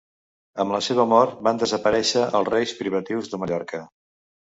Amb la seva mort van desaparèixer els reis privatius de Mallorca.